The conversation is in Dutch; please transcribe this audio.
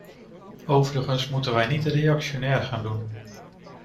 Overigens moeten we niet reactionair gaan doen.